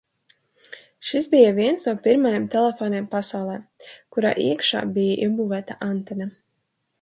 Šis bija viens no pirmajiem telefoniem pasaulē, kurā iekšā bija iebūvēta antena.